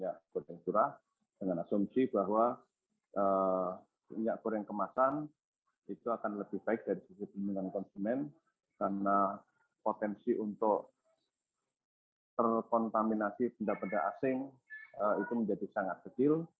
ylki bisa memahami bahwa minyak goreng kemasan akan lebih baik dari sisi perlindungan konsumen karena potensi untuk terkontaminasi benda benda asing itu menjadi sangat kecil